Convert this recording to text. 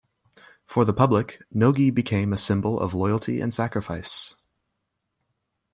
For the public, Nogi became a symbol of loyalty and sacrifice.